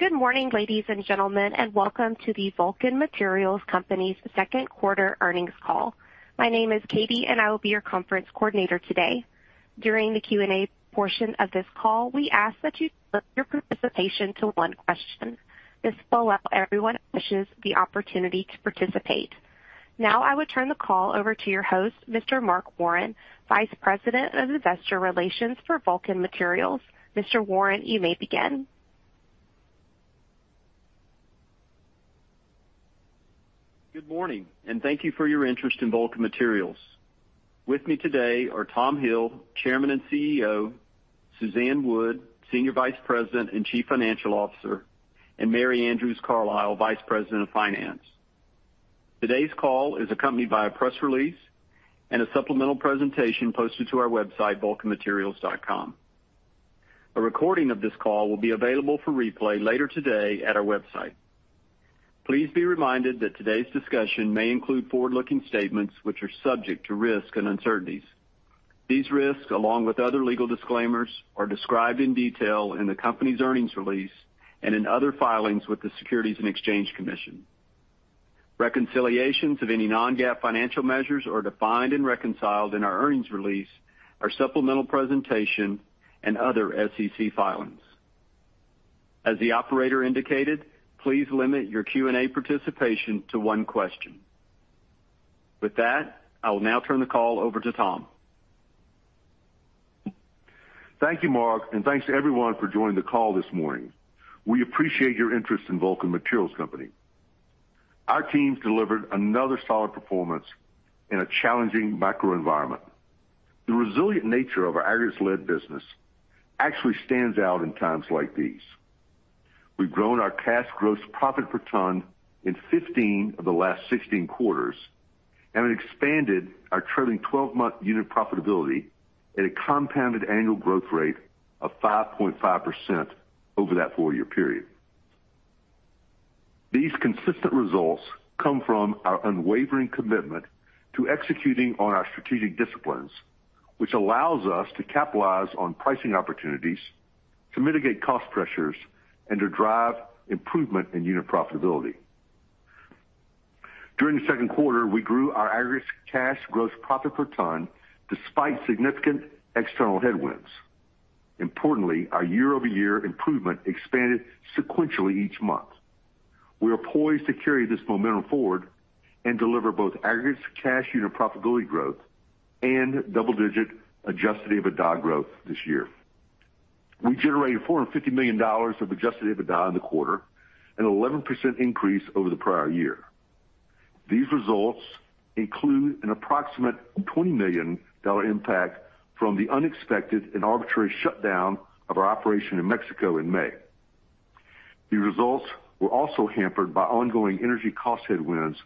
Good morning, ladies and gentlemen, and welcome to the Vulcan Materials Company's second quarter earnings call. My name is Katie, and I will be your conference coordinator today. During the Q&A portion of this call, we ask that you limit your participation to one question. This will allow everyone who wishes the opportunity to participate. Now I would turn the call over to your host, Mr. Mark Warren, Vice President of Investor Relations for Vulcan Materials. Mr. Warren, you may begin. Good morning, and thank you for your interest in Vulcan Materials. With me today are Tom Hill, Chairman and CEO, Suzanne Wood, Senior Vice President and Chief Financial Officer, and Mary Andrews Carlisle, Vice President of Finance. Today's call is accompanied by a press release and a supplemental presentation posted to our website, vulcanmaterials.com. A recording of this call will be available for replay later today at our website. Please be reminded that today's discussion may include forward-looking statements which are subject to risk and uncertainties. These risks, along with other legal disclaimers, are described in detail in the company's earnings release and in other filings with the Securities and Exchange Commission. Reconciliations of any non-GAAP financial measures are defined and reconciled in our earnings release, our supplemental presentation, and other SEC filings. As the operator indicated, please limit your Q&A participation to one question. With that, I will now turn the call over to Tom. Thank you, Mark, and thanks to everyone for joining the call this morning. We appreciate your interest in Vulcan Materials Company. Our teams delivered another solid performance in a challenging macro environment. The resilient nature of our aggregates-led business actually stands out in times like these. We've grown our cash gross profit per ton in 15 of the last 16 quarters and expanded our trailing 12-month unit profitability at a compounded annual growth rate of 5.5% over that 4-year period. These consistent results come from our unwavering commitment to executing on our strategic disciplines, which allows us to capitalize on pricing opportunities, to mitigate cost pressures, and to drive improvement in unit profitability. During the second quarter, we grew our aggregates cash gross profit per ton despite significant external headwinds. Importantly, our year-over-year improvement expanded sequentially each month. We are poised to carry this momentum forward and deliver both aggregates cash unit profitability growth and double-digit adjusted EBITDA growth this year. We generated $450 million of adjusted EBITDA in the quarter, an 11% increase over the prior year. These results include an approximate $20 million impact from the unexpected and arbitrary shutdown of our operation in Mexico in May. The results were also hampered by ongoing energy cost headwinds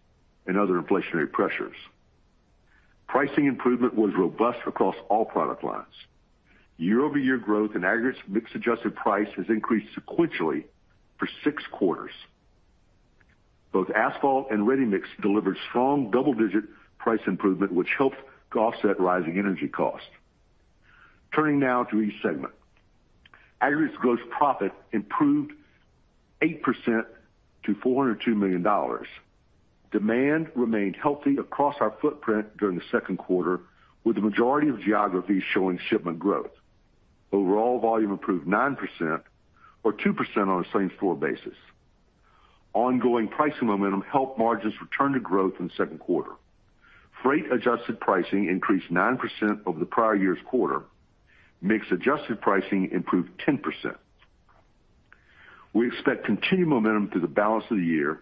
and other inflationary pressures. Pricing improvement was robust across all product lines. Year-over-year growth in aggregates mix adjusted price has increased sequentially for six quarters. Both asphalt and ready-mix delivered strong double-digit price improvement, which helped to offset rising energy costs. Turning now to each segment. Aggregates gross profit improved 8% to $402 million. Demand remained healthy across our footprint during the second quarter, with the majority of geographies showing shipment growth. Overall volume improved 9% or 2% on a same-store basis. Ongoing pricing momentum helped margins return to growth in the second quarter. Freight adjusted pricing increased 9% over the prior year's quarter. Mix adjusted pricing improved 10%. We expect continued momentum through the balance of the year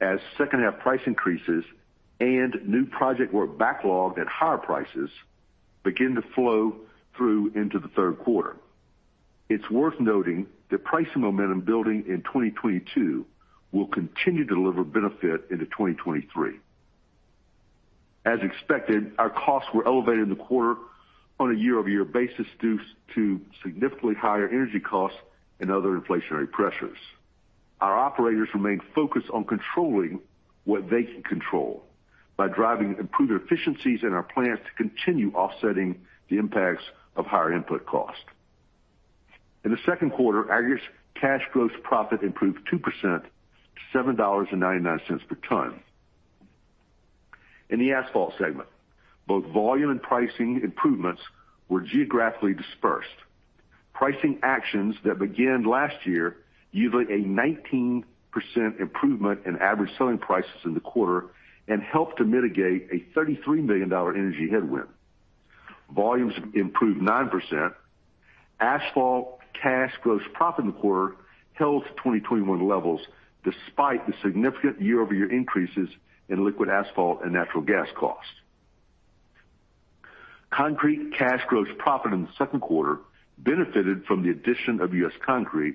as second half price increases and new project work backlogged at higher prices begin to flow through into the third quarter. It's worth noting that pricing momentum building in 2022 will continue to deliver benefit into 2023. Our costs were elevated in the quarter on a year-over-year basis due to significantly higher energy costs and other inflationary pressures. Our operators remain focused on controlling what they can control by driving improved efficiencies in our plants to continue offsetting the impacts of higher input costs. In the second quarter, aggregates cash gross profit improved 2% to $7.99 per ton. In the asphalt segment, both volume and pricing improvements were geographically dispersed. Pricing actions that began last year yielded a 19% improvement in average selling prices in the quarter and helped to mitigate a $33 million energy headwind. Volumes improved 9%. Asphalt cash gross profit in the quarter held 2021 levels despite the significant year-over-year increases in liquid asphalt and natural gas costs. Concrete cash gross profit in the second quarter benefited from the addition of U.S. Concrete,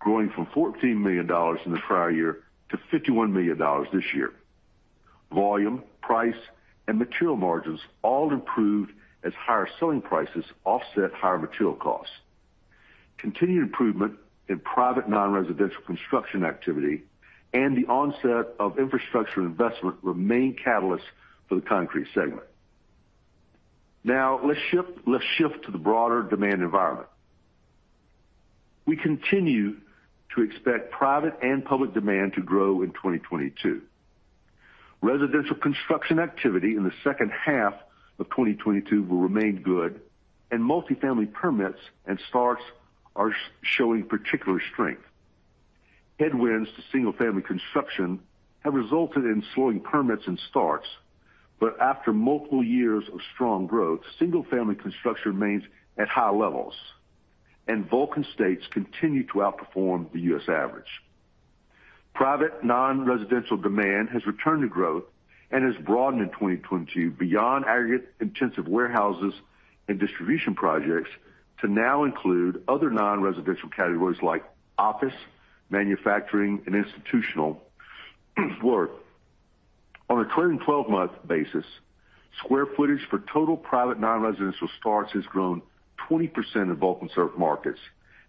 growing from $14 million in the prior year to $51 million this year. Volume, price, and material margins all improved as higher selling prices offset higher material costs. Continued improvement in private non-residential construction activity and the onset of infrastructure investment remain catalysts for the concrete segment. Now let's shift to the broader demand environment. We continue to expect private and public demand to grow in 2022. Residential construction activity in the second half of 2022 will remain good, and multifamily permits and starts are showing particular strength. Headwinds to single family construction have resulted in slowing permits and starts, but after multiple years of strong growth, single family construction remains at high levels, and Vulcan states continue to outperform the U.S. average. Private non-residential demand has returned to growth and has broadened in 2022 beyond aggregate intensive warehouses and distribution projects to now include other non-residential categories like office, manufacturing, and institutional work. On a trailing 12-month basis, square footage for total private non-residential starts has grown 20% in Vulcan-served markets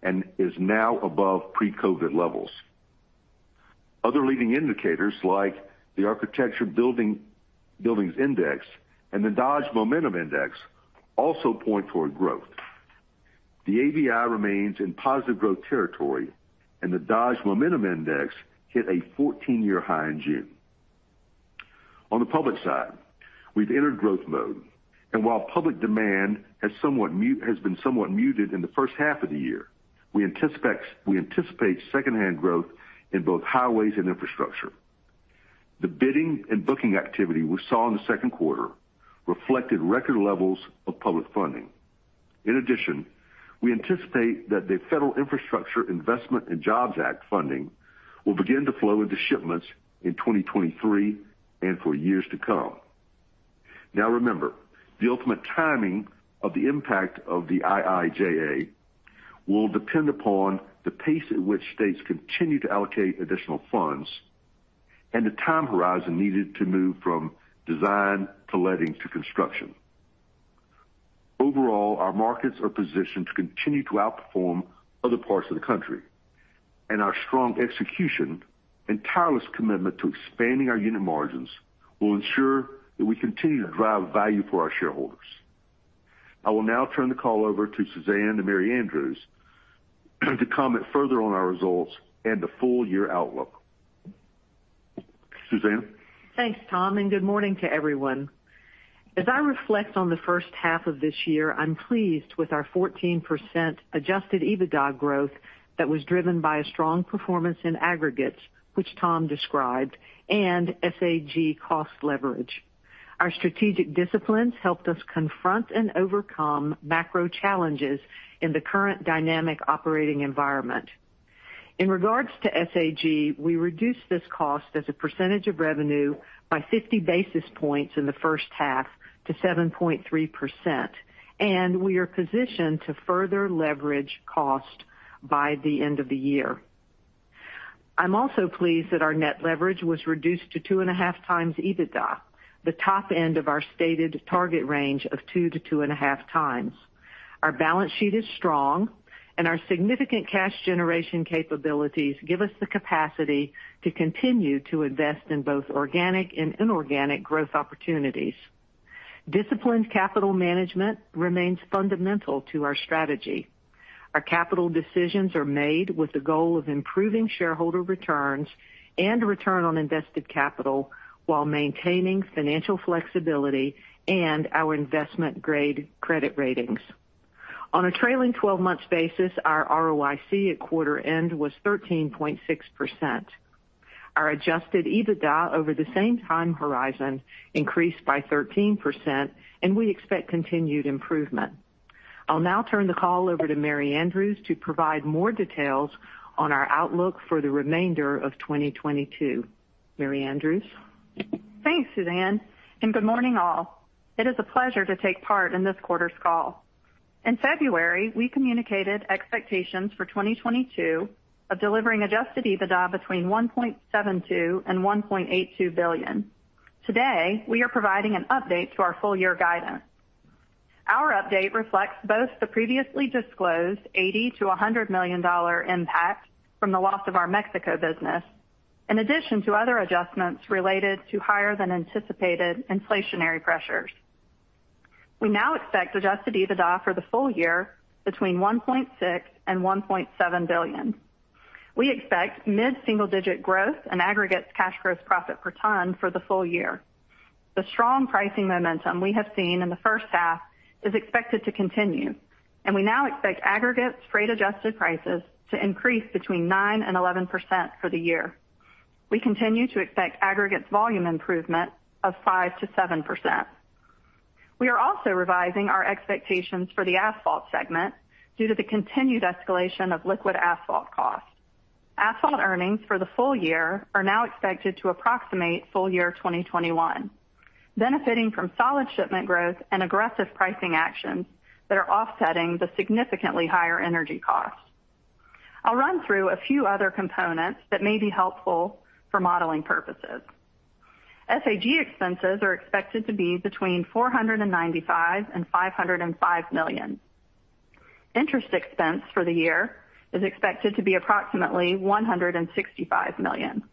and is now above pre-COVID levels. Other leading indicators, like the Architecture Billings Index and the Dodge Momentum Index, also point toward growth. The ABI remains in positive growth territory, and the Dodge Momentum Index hit a 14-year high in June. On the public side, we've entered growth mode, and while public demand has been somewhat muted in the first half of the year, we anticipate second-half growth in both highways and infrastructure. The bidding and booking activity we saw in the second quarter reflected record levels of public funding. In addition, we anticipate that the Infrastructure Investment and Jobs Act funding will begin to flow into shipments in 2023 and for years to come. Now, remember, the ultimate timing of the impact of the IIJA will depend upon the pace at which states continue to allocate additional funds and the time horizon needed to move from design to letting to construction. Overall, our markets are positioned to continue to outperform other parts of the country, and our strong execution and tireless commitment to expanding our unit margins will ensure that we continue to drive value for our shareholders. I will now turn the call over to Suzanne and Mary Andrews to comment further on our results and the full year outlook. Suzanne? Thanks, Tom, and good morning to everyone. As I reflect on the first half of this year, I'm pleased with our 14% adjusted EBITDA growth that was driven by a strong performance in aggregates, which Tom described, and SAG cost leverage. Our strategic disciplines helped us confront and overcome macro challenges in the current dynamic operating environment. In regards to SAG, we reduced this cost as a percentage of revenue by 50 basis points in the first half to 7.3%, and we are positioned to further leverage cost by the end of the year. I'm also pleased that our net leverage was reduced to 2.5x EBITDA, the top end of our stated target range of 2x-2.5x. Our balance sheet is strong and our significant cash generation capabilities give us the capacity to continue to invest in both organic and inorganic growth opportunities. Disciplined capital management remains fundamental to our strategy. Our capital decisions are made with the goal of improving shareholder returns and return on invested capital while maintaining financial flexibility and our investment grade credit ratings. On a trailing twelve months basis, our ROIC at quarter end was 13.6%. Our adjusted EBITDA over the same time horizon increased by 13%, and we expect continued improvement. I'll now turn the call over to Mary Andrews to provide more details on our outlook for the remainder of 2022. Mary Andrews? Thanks, Suzanne, and good morning, all. It is a pleasure to take part in this quarter's call. In February, we communicated expectations for 2022 of delivering adjusted EBITDA between $1.72 billion and $1.82 billion. Today, we are providing an update to our full year guidance. Our update reflects both the previously disclosed $80 million-$100 million impact from the loss of our Mexico business, in addition to other adjustments related to higher than anticipated inflationary pressures. We now expect adjusted EBITDA for the full year between $1.6 billion and $1.7 billion. We expect mid-single digit growth in aggregates cash gross profit per ton for the full year. The strong pricing momentum we have seen in the first half is expected to continue, and we now expect aggregates freight adjusted prices to increase between 9%-11% for the year. We continue to expect aggregates volume improvement of 5%-7%. We are also revising our expectations for the asphalt segment due to the continued escalation of liquid asphalt costs. Asphalt earnings for the full year are now expected to approximate full year 2021, benefiting from solid shipment growth and aggressive pricing actions that are offsetting the significantly higher energy costs. I'll run through a few other components that may be helpful for modeling purposes. SAG expenses are expected to be between $495 million-$505 million. Interest expense for the year is expected to be approximately $165 million.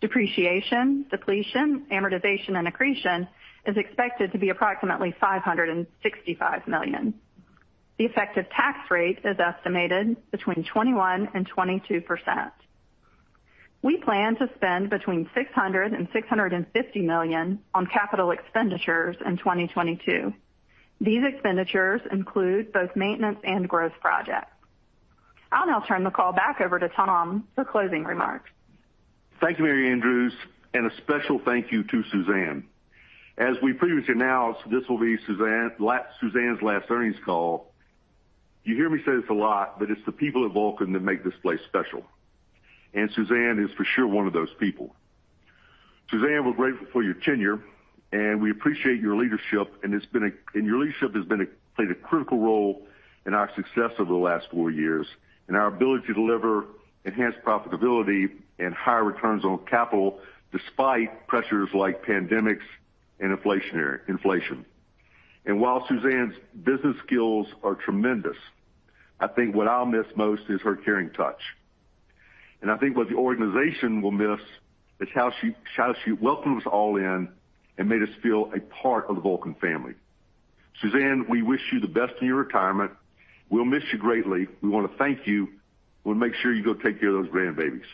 Depreciation, depletion, amortization, and accretion is expected to be approximately $565 million. The effective tax rate is estimated between 21% and 22%. We plan to spend between $600 million and $650 million on capital expenditures in 2022. These expenditures include both maintenance and growth projects. I'll now turn the call back over to Tom for closing remarks. Thank you, Mary Andrews, and a special thank you to Suzanne. As we previously announced, this will be Suzanne's last earnings call. You hear me say this a lot, but it's the people at Vulcan that make this place special. Suzanne is for sure one of those people. Suzanne, we're grateful for your tenure, and we appreciate your leadership, and your leadership has played a critical role in our success over the last four years and our ability to deliver enhanced profitability and higher returns on capital despite pressures like pandemics and inflation. While Suzanne's business skills are tremendous, I think what I'll miss most is her caring touch. I think what the organization will miss is how she welcomed us all in and made us feel a part of the Vulcan family. Suzanne, we wish you the best in your retirement. We'll miss you greatly. We want to thank you. We'll make sure you go take care of those grandbabies.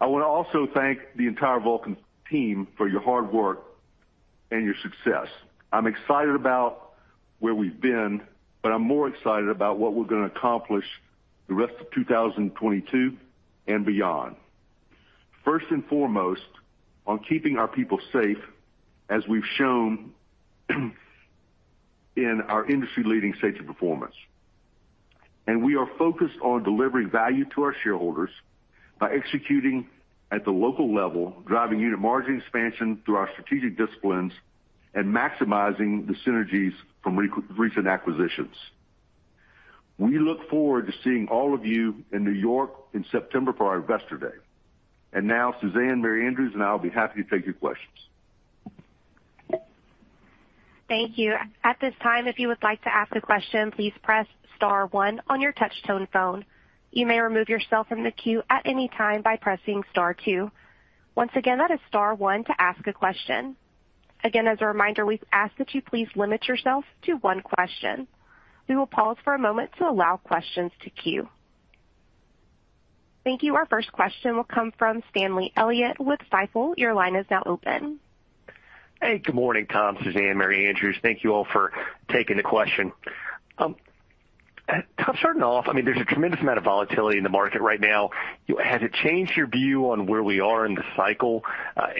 I want to also thank the entire Vulcan team for your hard work and your success. I'm excited about where we've been, but I'm more excited about what we're gonna accomplish the rest of 2022 and beyond. First and foremost, on keeping our people safe as we've shown in our industry-leading safety performance. We are focused on delivering value to our shareholders by executing at the local level, driving unit margin expansion through our strategic disciplines, and maximizing the synergies from recent acquisitions. We look forward to seeing all of you in New York in September for our Investor Day. Now Suzanne, Mary Andrews, and I will be happy to take your questions. Thank you. At this time, if you would like to ask a question, please press star one on your touch tone phone. You may remove yourself from the queue at any time by pressing star two. Once again, that is star one to ask a question. Again, as a reminder, we ask that you please limit yourself to one question. We will pause for a moment to allow questions to queue. Thank you. Our first question will come from Stanley Elliott with Stifel. Your line is now open. Hey, good morning, Tom, Suzanne, Mary Andrews. Thank you all for taking the question. Tom, starting off, I mean, there's a tremendous amount of volatility in the market right now. Has it changed your view on where we are in the cycle?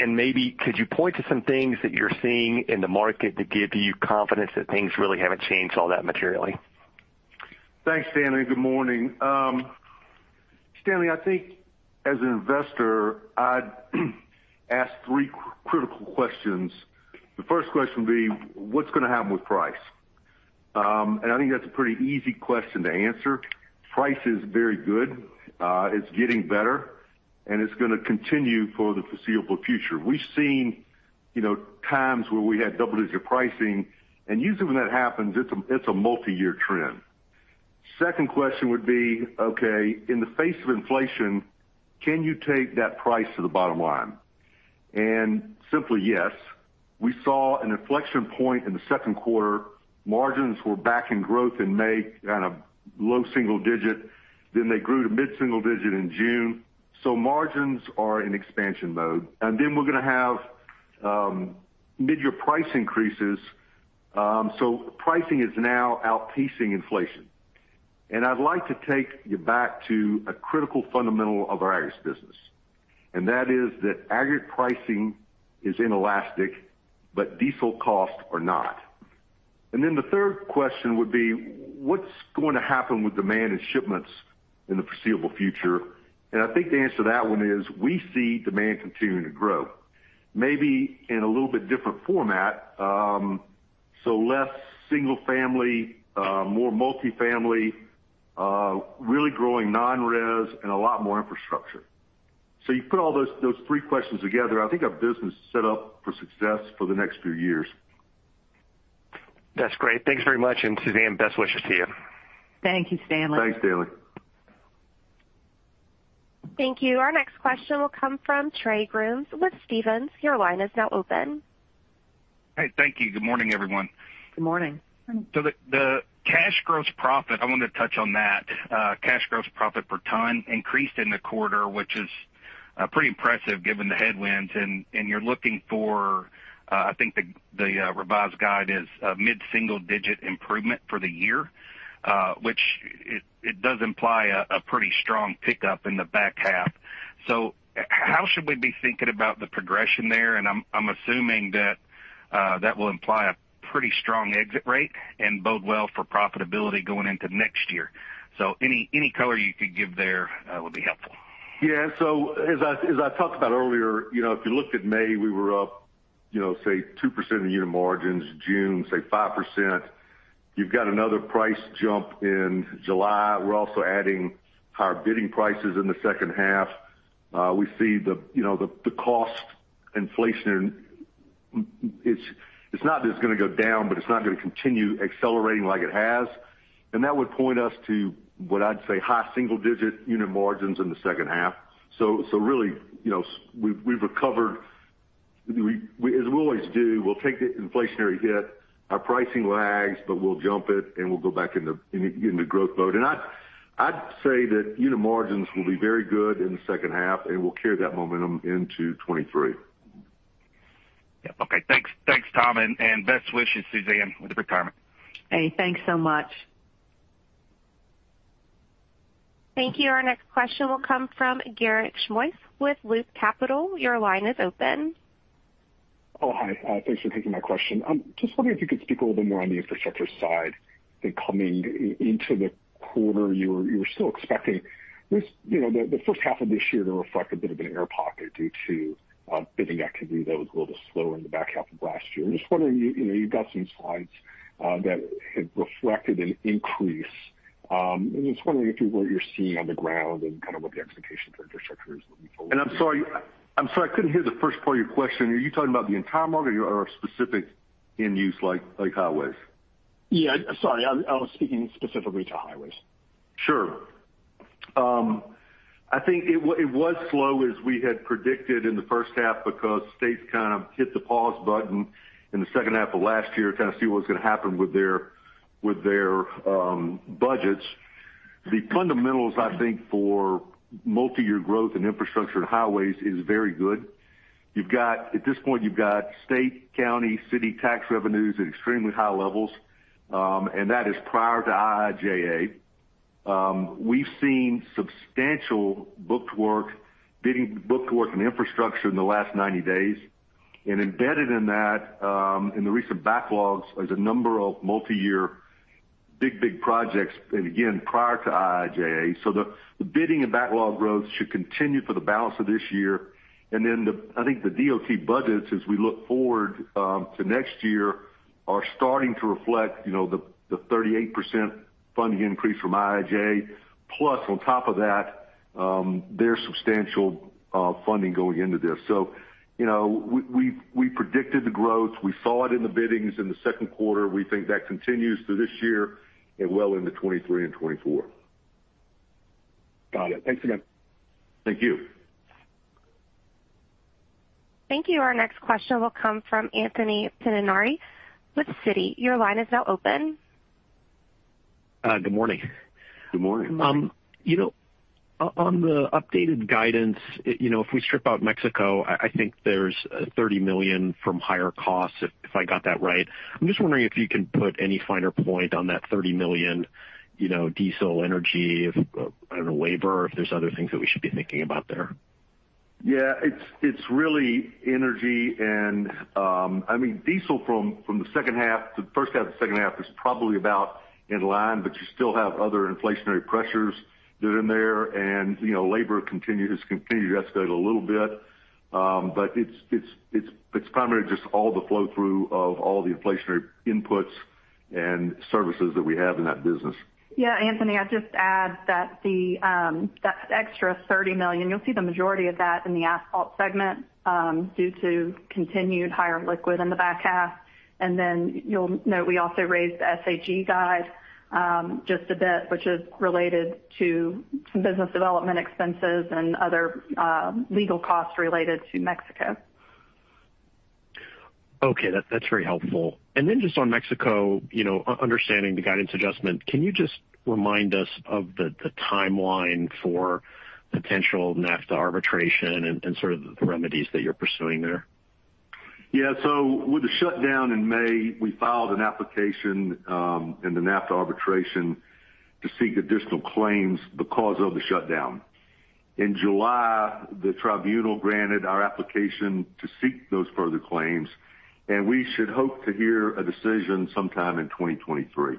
Maybe could you point to some things that you're seeing in the market that give you confidence that things really haven't changed all that materially? Thanks, Stanley. Good morning. Stanley, I think as an investor, I'd ask three critical questions. The first question being, what's gonna happen with price? I think that's a pretty easy question to answer. Price is very good. It's getting better, and it's gonna continue for the foreseeable future. We've seen, you know, times where we had double-digit pricing, and usually when that happens, it's a multi-year trend. Second question would be, okay, in the face of inflation, can you take that price to the bottom line? Simply, yes. We saw an inflection point in the second quarter. Margins were back in growth in May at a low single digit, then they grew to mid-single digit in June. Margins are in expansion mode. We're gonna have mid-year price increases. Pricing is now outpacing inflation. I'd like to take you back to a critical fundamental of our agg business, and that is that agg pricing is inelastic, but diesel costs are not. The third question would be, what's going to happen with demand and shipments in the foreseeable future? I think the answer to that one is we see demand continuing to grow, maybe in a little bit different format, so less single family, more multifamily, really growing non-res and a lot more infrastructure. You put all those three questions together. I think our business is set up for success for the next few years. That's great. Thanks very much. Suzanne, best wishes to you. Thank you, Stanley. Thanks, Stanley. Thank you. Our next question will come from Trey Grooms with Stephens. Your line is now open. Hey, thank you. Good morning, everyone. Good morning. The cash gross profit, I wanted to touch on that. Cash gross profit per ton increased in the quarter, which is pretty impressive given the headwinds. You're looking for, I think the revised guide is a mid-single digit improvement for the year, which it does imply a pretty strong pickup in the back half. How should we be thinking about the progression there? I'm assuming that will imply a pretty strong exit rate and bode well for profitability going into next year. Any color you could give there would be helpful. Yeah. As I talked about earlier, you know, if you looked at May, we were up, you know, say 2% in unit margins, June, say 5%. You've got another price jump in July. We're also adding higher bidding prices in the second half. We see the cost inflation. It's not just gonna go down, but it's not gonna continue accelerating like it has. That would point us to what I'd say high single digit unit margins in the second half. Really, you know, we've recovered. We, as we always do, we'll take the inflationary hit. Our pricing lags, but we'll jump it, and we'll go back into, in the growth mode. I'd say that unit margins will be very good in the second half, and we'll carry that momentum into 2023. Yeah. Okay. Thanks, Tom, and best wishes, Suzanne, with retirement. Hey, thanks so much. Thank you. Our next question will come from Garik Shmois with Loop Capital. Your line is open. Thanks for taking my question. Just wondering if you could speak a little bit more on the infrastructure side coming into the quarter. You're still expecting this, you know, the first half of this year to reflect a bit of an air pocket due to bidding activity that was a little slower in the back half of last year. I'm just wondering, you know, you've got some slides that had reflected an increase. I'm just wondering what you're seeing on the ground and kind of what the expectations for infrastructure is looking forward. I'm sorry, I couldn't hear the first part of your question. Are you talking about the entire market or specific end use like highways? Yeah. Sorry, I was speaking specifically to highways. Sure. I think it was slow as we had predicted in the first half because states kind of hit the pause button in the second half of last year to kind of see what was gonna happen with their budgets. The fundamentals, I think, for multiyear growth in infrastructure and highways is very good. You've got, at this point, state, county, city tax revenues at extremely high levels, and that is prior to IIJA. We've seen substantial booked work in infrastructure in the last 90 days. Embedded in that, in the recent backlogs, there's a number of multiyear big projects, and again, prior to IIJA. The bidding and backlog growth should continue for the balance of this year. Then I think the DOT budgets as we look forward to next year are starting to reflect, you know, the 38% funding increase from IIJA. Plus, on top of that, there's substantial funding going into this. So, you know, we predicted the growth. We saw it in the biddings in the second quarter. We think that continues through this year and well into 2023 and 2024. Got it. Thanks so much. Thank you. Thank you. Our next question will come from Anthony Pettinari with Citi. Your line is now open. Good morning. Good morning. Good morning. You know, on the updated guidance, you know, if we strip out Mexico, I think there's $30 million from higher costs, if I got that right. I'm just wondering if you can put any finer point on that $30 million, you know, diesel, energy, if I don't know, labor, if there's other things that we should be thinking about there. It's really energy and, I mean, diesel from the first half to the second half is probably about in line, but you still have other inflationary pressures that are in there. You know, labor continues to escalate a little bit. But it's primarily just all the flow-through of all the inflationary inputs and services that we have in that business. Yeah, Anthony, I'd just add that the extra $30 million, you'll see the majority of that in the asphalt segment, due to continued higher liquid in the back half. You'll note we also raised the SAG guide just a bit, which is related to some business development expenses and other legal costs related to Mexico. Okay. That's very helpful. Just on Mexico, you know, understanding the guidance adjustment, can you just remind us of the timeline for potential NAFTA arbitration and sort of the remedies that you're pursuing there? With the shutdown in May, we filed an application in the NAFTA arbitration to seek additional claims because of the shutdown. In July, the tribunal granted our application to seek those further claims, and we should hope to hear a decision sometime in 2023.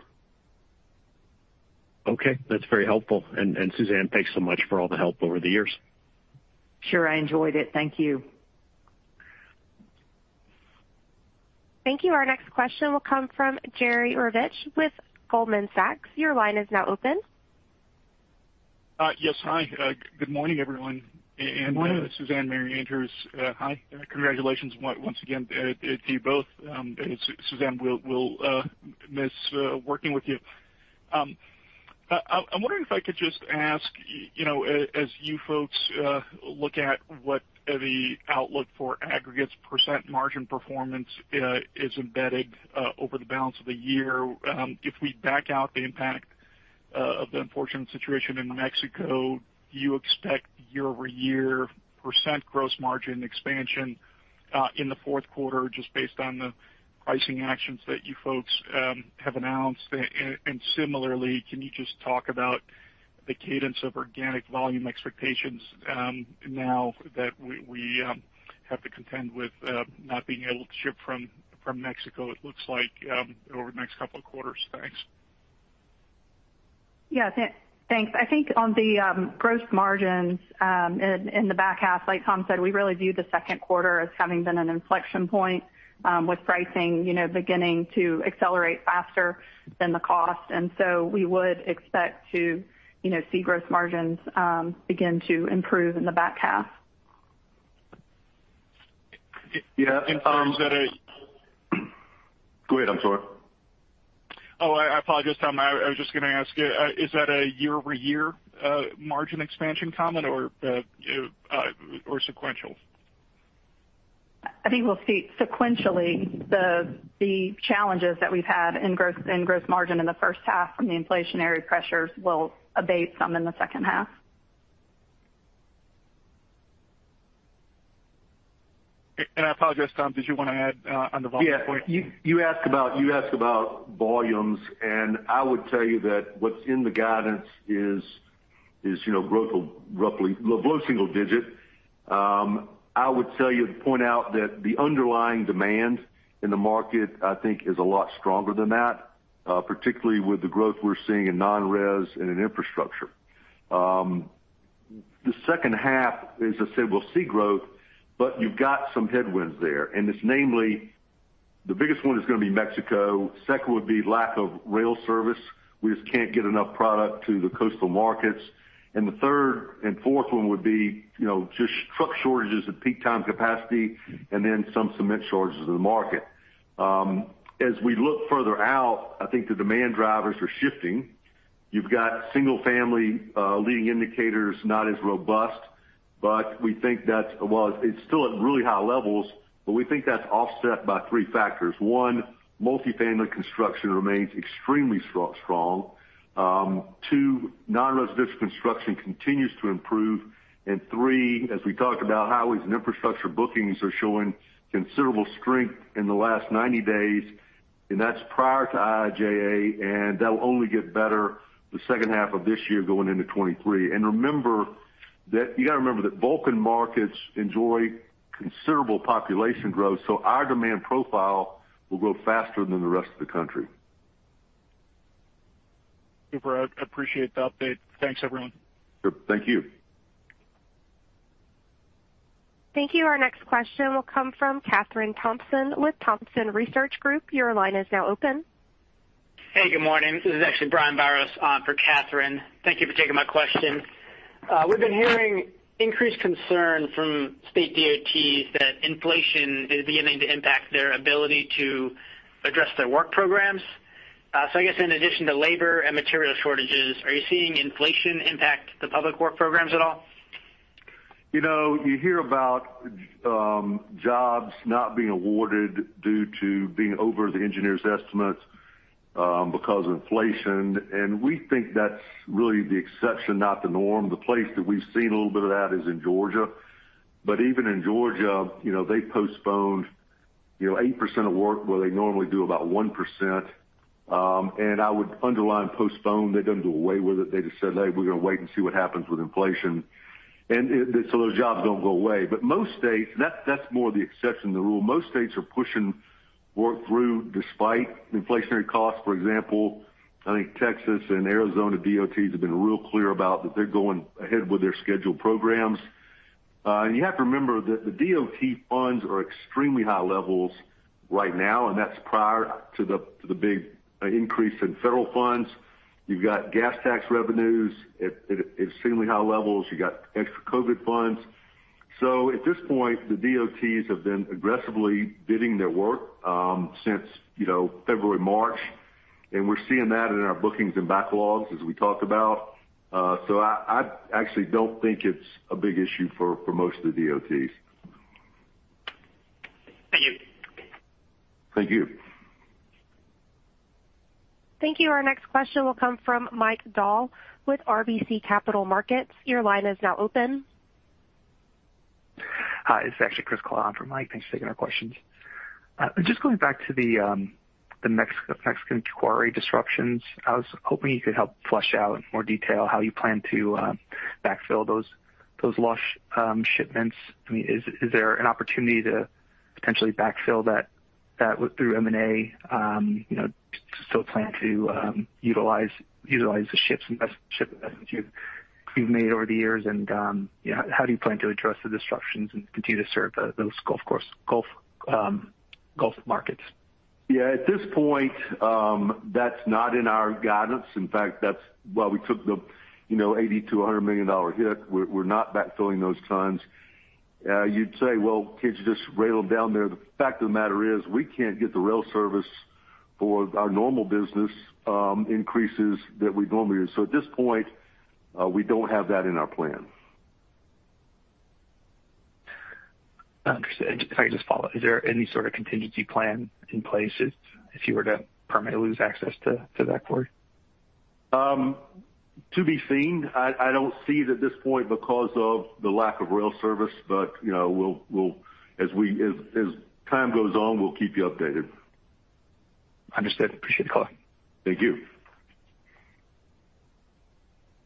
Okay. That's very helpful. Suzanne, thanks so much for all the help over the years. Sure. I enjoyed it. Thank you. Thank you. Our next question will come from Jerry Revich with Goldman Sachs. Your line is now open. Yes. Hi. Good morning, everyone. Good morning. Suzanne, Mary Andrews, hi, congratulations once again to you both. Suzanne, we'll miss working with you. I'm wondering if I could just ask, you know, as you folks look at what the outlook for aggregates percent margin performance is embedded over the balance of the year, if we back out the impact of the unfortunate situation in Mexico, do you expect year-over-year percent gross margin expansion in the fourth quarter just based on the pricing actions that you folks have announced? Similarly, can you just talk about the cadence of organic volume expectations, now that we have to contend with not being able to ship from Mexico, it looks like, over the next couple of quarters? Thanks. Thanks. I think on the gross margins in the back half, like Tom said, we really view the second quarter as having been an inflection point with pricing, you know, beginning to accelerate faster than the cost. We would expect to, you know, see gross margins begin to improve in the back half. Yeah. In terms that. Go ahead, I'm sorry. Oh, I apologize, Tom. I was just gonna ask you, is that a year-over-year margin expansion comment or sequential? I think we'll see sequentially the challenges that we've had in gross margin in the first half from the inflationary pressures will abate some in the second half. I apologize, Tom, did you wanna add on the volume point? Yeah. You asked about volumes, and I would tell you that what's in the guidance is, you know, growth of roughly low single digit. I would tell you to point out that the underlying demand in the market, I think is a lot stronger than that, particularly with the growth we're seeing in non-res and in infrastructure. The second half, as I said, we'll see growth, but you've got some headwinds there, and it's namely the biggest one is gonna be Mexico. Second would be lack of rail service. We just can't get enough product to the coastal markets. The third and fourth one would be, you know, just truck shortages at peak time capacity and then some cement shortages in the market. As we look further out, I think the demand drivers are shifting. You've got single family leading indicators not as robust, but we think that's. Well, it's still at really high levels, but we think that's offset by three factors. One, multifamily construction remains extremely strong. Two, non-residential construction continues to improve. Three, as we talked about, highways and infrastructure bookings are showing considerable strength in the last 90 days, and that's prior to IIJA, and that'll only get better the second half of this year going into 2023. You gotta remember that Vulcan markets enjoy considerable population growth, so our demand profile will grow faster than the rest of the country. Super. I appreciate the update. Thanks, everyone. Sure. Thank you. Thank you. Our next question will come from Kathryn Thompson with Thompson Research Group. Your line is now open. Hey, good morning. This is actually Brian Biros for Kathryn. Thank you for taking my question. We've been hearing increased concern from state DOTs that inflation is beginning to impact their ability to address their work programs. I guess in addition to labor and material shortages, are you seeing inflation impact the public work programs at all? You know, you hear about jobs not being awarded due to being over the engineer's estimates because of inflation, and we think that's really the exception, not the norm. The place that we've seen a little bit of that is in Georgia. Even in Georgia, you know, they postponed 8% of work where they normally do about 1%. I would underline postpone. They didn't do away with it. They just said, "Hey, we're gonna wait and see what happens with inflation." Those jobs don't go away. That's more the exception than the rule. Most states are pushing work through despite inflationary costs. For example, I think Texas and Arizona DOTs have been real clear about that they're going ahead with their scheduled programs. You have to remember that the DOT funds are at extremely high levels right now, and that's prior to the big increase in federal funds. You've got gas tax revenues at extremely high levels. You got extra COVID funds. At this point, the DOTs have been aggressively bidding their work since, you know, February, March, and we're seeing that in our bookings and backlogs as we talked about. I actually don't think it's a big issue for most of the DOTs. Thank you. Thank you. Thank you. Our next question will come from Mike Dahl with RBC Capital Markets. Your line is now open. Hi, this is actually Chris Kalata for Mike. Thanks for taking our questions. Just going back to the Mexican quarry disruptions, I was hoping you could help flesh out in more detail how you plan to backfill those lost shipments. I mean, is there an opportunity to potentially backfill that through M&A, you know, still plan to utilize the investments you've made over the years? How do you plan to address the disruptions and continue to serve those Gulf Coast markets? Yeah. At this point, that's not in our guidance. In fact, that's why we took the, you know, $80 million-$100 million hit. We're not backfilling those tons. You'd say, "Well, can't you just rail them down there?" The fact of the matter is, we can't get the rail service for our normal business increases that we normally do. At this point, we don't have that in our plan. Understood. Can I just follow up? Is there any sort of contingency plan in place if you were to permanently lose access to that quarry? To be seen. I don't see it at this point because of the lack of rail service. You know, as time goes on, we'll keep you updated. Understood. Appreciate the call. Thank you.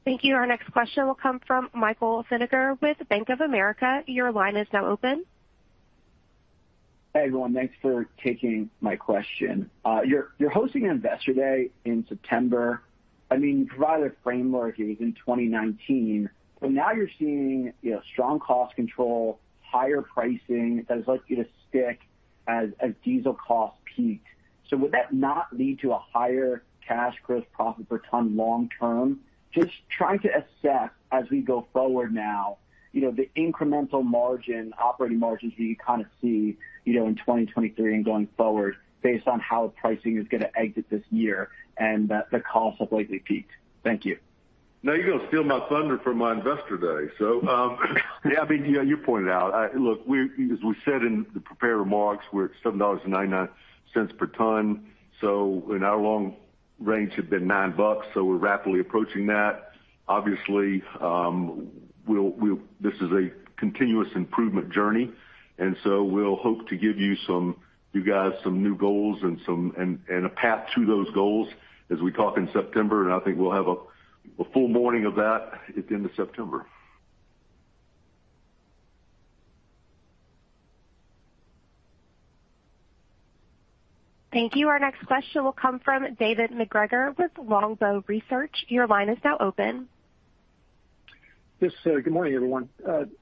Thank you. Our next question will come from Michael Feniger with Bank of America. Your line is now open. Hey, everyone. Thanks for taking my question. You're hosting Investor Day in September. I mean, you provide a framework in 2019, but now you're seeing, you know, strong cost control, higher pricing that is likely to stick. As diesel costs peaked. Would that not lead to a higher cash gross profit per ton long term? Just trying to assess as we go forward now, you know, the incremental margin, operating margins that you kind of see, you know, in 2023 and going forward based on how pricing is gonna exit this year and the costs have likely peaked. Thank you. Now you're gonna steal my thunder from my Investor Day. I mean, you know, you pointed out, look, as we said in the prepared remarks, we're at $7.99 per ton, and our long range had been $9, so we're rapidly approaching that. Obviously, we'll, this is a continuous improvement journey, and so we'll hope to give you guys some new goals and a path to those goals as we talk in September, and I think we'll have a full morning of that at the end of September. Thank you. Our next question will come from David MacGregor with Longbow Research. Your line is now open. Yes. Good morning, everyone.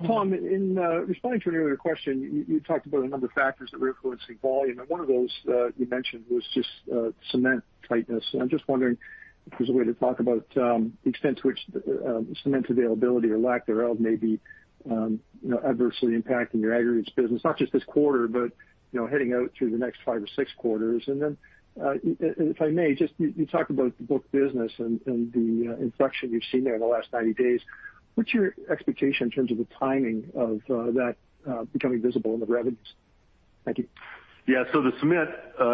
Tom, in responding to an earlier question, you talked about a number of factors that were influencing volume, and one of those, you mentioned was just cement tightness. I'm just wondering if there's a way to talk about the extent to which cement availability or lack thereof may be, you know, adversely impacting your aggregates business, not just this quarter, but you know, heading out through the next five or six quarters. If I may, just you talked about the book business and the inflection you've seen there in the last 90 days. What's your expectation in terms of the timing of that becoming visible in the revenues? Thank you. Yeah. The cement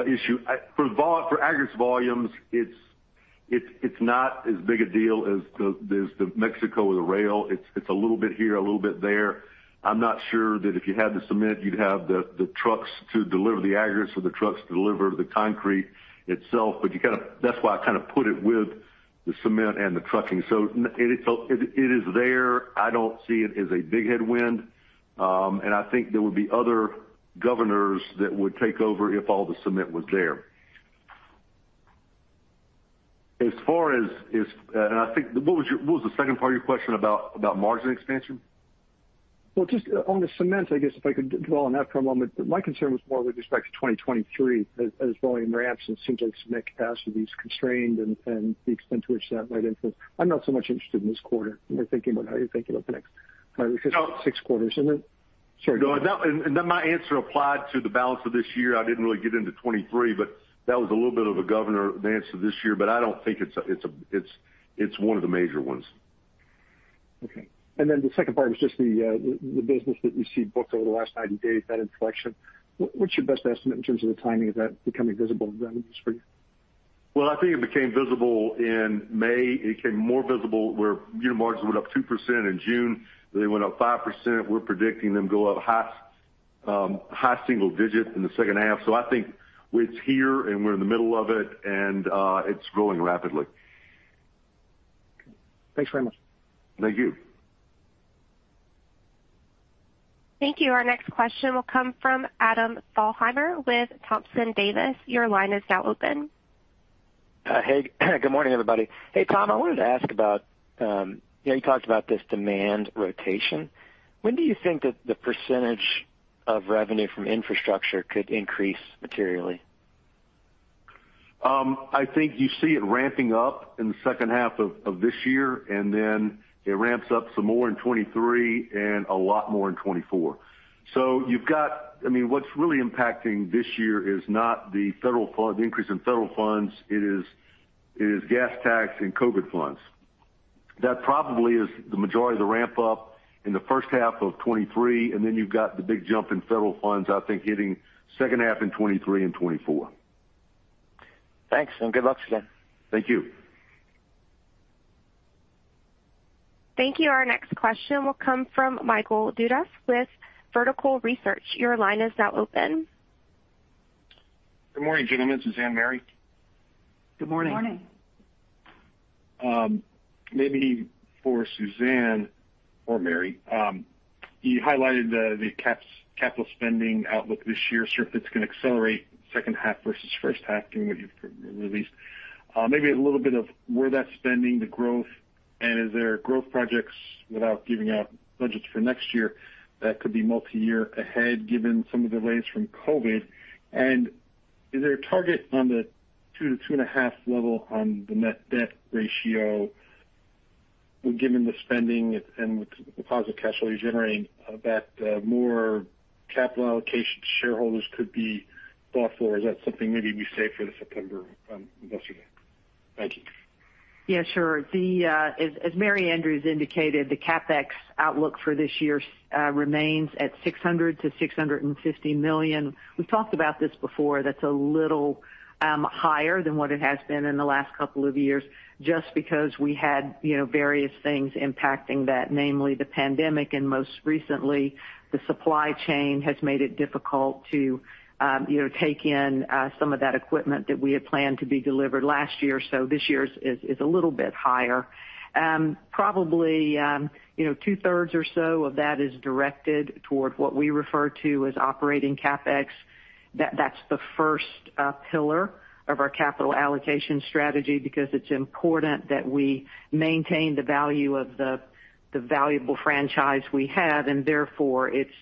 issue, for aggregate volumes, it's not as big a deal as the Mexico with the rail. It's a little bit here, a little bit there. I'm not sure that if you had the cement, you'd have the trucks to deliver the aggregates or the trucks to deliver the concrete itself. That's why I kind of put it with the cement and the trucking. It is there. I don't see it as a big headwind, and I think there would be other governors that would take over if all the cement was there. As far as. I think what was the second part of your question about margin expansion? Well, just on the cement, I guess if I could dwell on that for a moment. My concern was more with respect to 2023 as volume ramps, and it seems like cement capacity is constrained and the extent to which that might influence. I'm not so much interested in this quarter. More thinking about how you think about the next five or six quarters. Sorry. No. Then my answer applied to the balance of this year. I didn't really get into 2023, but that was a little bit of a governor advance to this year, but I don't think it's one of the major ones. Okay. The second part was just the business that you see booked over the last 90 days, that inflection. What's your best estimate in terms of the timing of that becoming visible in revenues for you? Well, I think it became visible in May. It became more visible where unit margins went up 2% in June. They went up 5%. We're predicting them go up high single digits in the second half. I think it's here, and we're in the middle of it, and it's growing rapidly. Thanks very much. Thank you. Thank you. Our next question will come from Adam Thalhimer with Thompson Davis. Your line is now open. Good morning, everybody. Hey, Tom. I wanted to ask about, you know, you talked about this demand rotation. When do you think that the percentage of revenue from infrastructure could increase materially? I think you see it ramping up in the second half of this year, and then it ramps up some more in 2023 and a lot more in 2024. You've got, I mean, what's really impacting this year is not the increase in federal funds. It is gas tax and COVID funds. That probably is the majority of the ramp up in the first half of 2023, and then you've got the big jump in federal funds, I think, hitting second half in 2023 and 2024. Thanks, and good luck again. Thank you. Thank you. Our next question will come from Michael Dudas with Vertical Research. Your line is now open. Good morning, gentlemen. Suzanne, Mary. Good morning. Morning. Maybe for Suzanne or Mary. You highlighted the capital spending outlook this year. So, if it's gonna accelerate second half versus first half given what you've released. Maybe a little bit of where that spending, the growth and is there growth projects without giving out budgets for next year that could be multi-year ahead given some of the delays from COVID? Is there a target on the 2x-2.5x level on the net debt ratio given the spending and with the positive cash flow you're generating that more capital allocation to shareholders could be thoughtful, or is that something maybe we save for the September investor day? Thank you. Yeah, sure. As Mary Andrews indicated, the CapEx outlook for this year remains at $600 million-$650 million. We've talked about this before. That's a little higher than what it has been in the last couple of years, just because we had you know various things impacting that, namely the pandemic and most recently the supply chain has made it difficult to you know take in some of that equipment that we had planned to be delivered last year. This year's is a little bit higher. Probably you know two-thirds or so of that is directed toward what we refer to as operating CapEx. That's the first pillar of our capital allocation strategy because it's important that we maintain the value of the valuable franchise we have, and therefore it's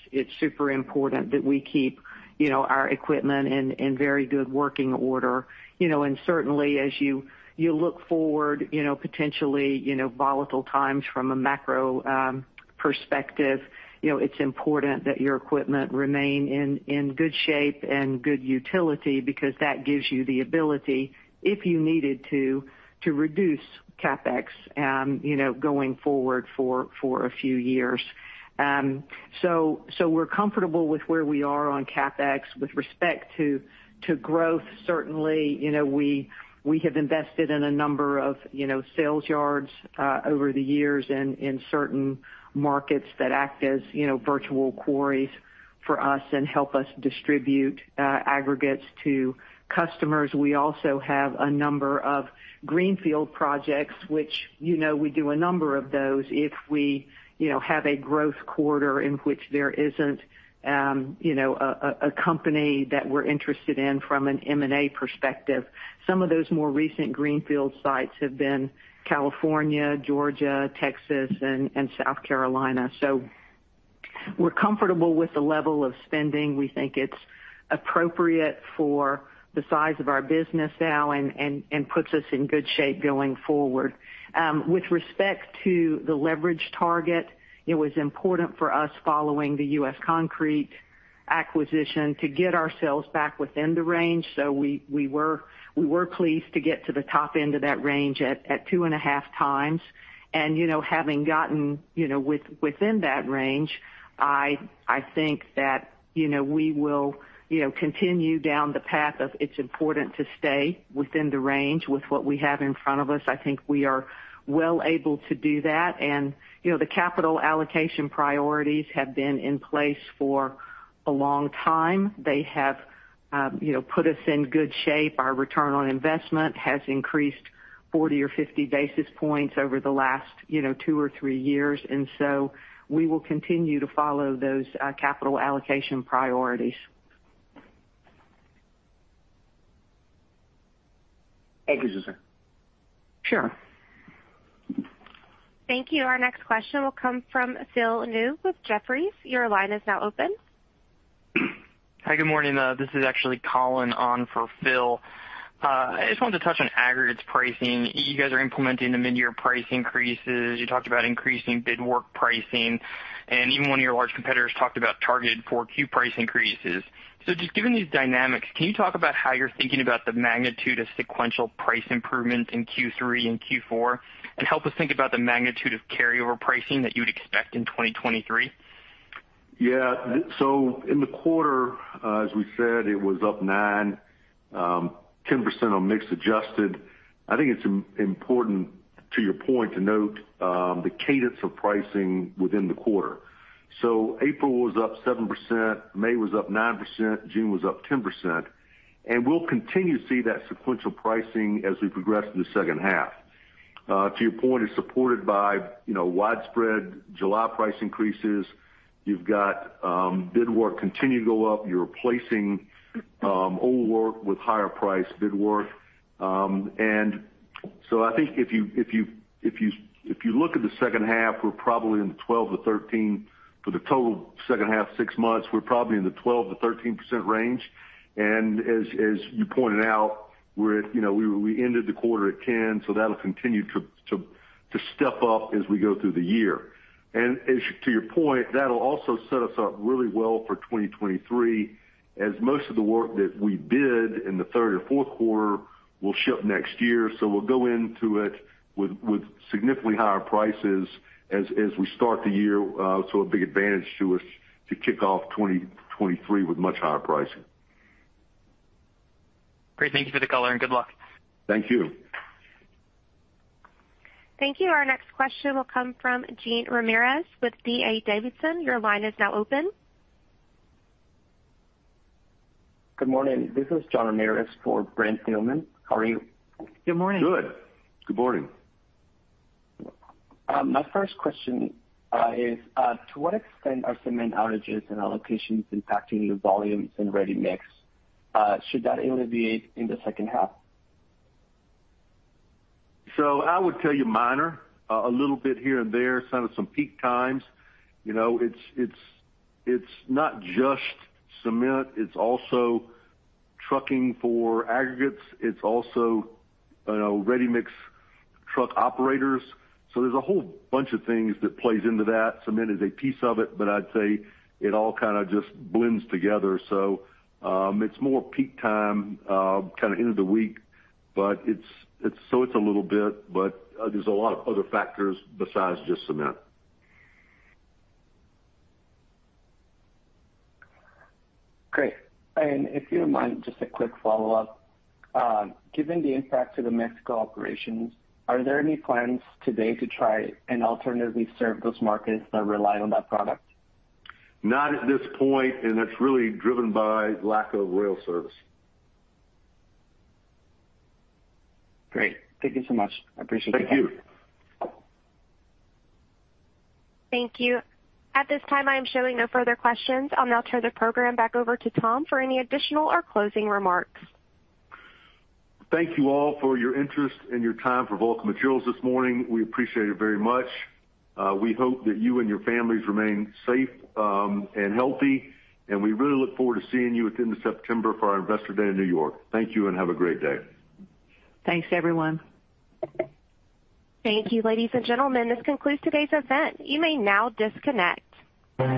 super important that we keep, you know, our equipment in very good working order. You know, certainly as you look forward, you know, potentially, you know, volatile times from a macro perspective, you know, it's important that your equipment remain in good shape and good utility because that gives you the ability, if you needed to reduce CapEx, you know, going forward for a few years. We're comfortable with where we are on CapEx. With respect to growth, certainly, you know, we have invested in a number of, you know, sales yards over the years and in certain markets that act as, you know, virtual quarries for us and help us distribute aggregates to customers. We also have a number of greenfield projects, which, you know, we do a number of those if we, you know, have a growth quarter in which there isn't a company that we're interested in from an M&A perspective. Some of those more recent greenfield sites have been California, Georgia, Texas, and South Carolina. We're comfortable with the level of spending. We think it's appropriate for the size of our business now and puts us in good shape going forward. With respect to the leverage target, it was important for us, following the U.S. Concrete acquisition, to get ourselves back within the range. We were pleased to get to the top end of that range at 2.5x. You know, having gotten within that range, I think that you know, we will continue down the path of it's important to stay within the range. With what we have in front of us, I think we are well able to do that. You know, the capital allocation priorities have been in place for a long time. They have you know, put us in good shape. Our return on investment has increased 40 or 50 basis points over the last you know, two or three years. We will continue to follow those capital allocation priorities. Thank you, Suzanne. Sure. Thank you. Our next question will come from Philip Ng with Jefferies. Your line is now open. Hi. Good morning. This is actually Collin on for Phil. I just wanted to touch on aggregates pricing. You guys are implementing the mid-year price increases. You talked about increasing bid work pricing, and even one of your large competitors talked about targeted 4Q price increases. Just given these dynamics, can you talk about how you're thinking about the magnitude of sequential price improvements in Q3 and Q4 and help us think about the magnitude of carryover pricing that you would expect in 2023? Yeah. In the quarter, as we said, it was up 9%, 10% on mix adjusted. I think it's important, to your point, to note the cadence of pricing within the quarter. April was up 7%, May was up 9%, June was up 10%. We'll continue to see that sequential pricing as we progress through the second half. To your point, it's supported by, you know, widespread July price increases. You've got bid work continue to go up. You're replacing old work with higher price bid work. I think if you look at the second half, we're probably in the 12%-13%. For the total second half, six months, we're probably in the 12%-13% range. As you pointed out, we're at 10%, we ended the quarter at 10%, so that'll continue to step up as we go through the year. To your point, that'll also set us up really well for 2023, as most of the work that we bid in the third or fourth quarter will ship next year. We'll go into it with significantly higher prices as we start the year. A big advantage to us to kick off 2023 with much higher pricing. Great. Thank you for the color, and good luck. Thank you. Thank you. Our next question will come from Jean Ramirez with D.A. Davidson. Your line is now open. Good morning. This is Jean Ramirez for Brent Thielman. How are you? Good morning. Good. Good morning. My first question is to what extent are cement outages and allocations impacting your volumes in ready-mix? Should that alleviate in the second half? I would tell you minor, a little bit here and there, kind of some peak times. You know, it's not just cement, it's also trucking for aggregates. It's also, you know, ready-mix truck operators. There's a whole bunch of things that plays into that. Cement is a piece of it, but I'd say it all kinda just blends together. It's more peak time, kinda end of the week, but it's a little bit, but there's a lot of other factors besides just cement. Great. If you don't mind, just a quick follow-up. Given the impact to the Mexico operations, are there any plans today to try and alternatively serve those markets that rely on that product? Not at this point, and that's really driven by lack of rail service. Great. Thank you so much. I appreciate that. Thank you. Thank you. At this time, I am showing no further questions. I'll now turn the program back over to Tom for any additional or closing remarks. Thank you all for your interest and your time for Vulcan Materials this morning. We appreciate it very much. We hope that you and your families remain safe, and healthy, and we really look forward to seeing you at the end of September for our Investor Day in New York. Thank you, and have a great day. Thanks, everyone. Thank you, ladies and gentlemen. This concludes today's event. You may now disconnect.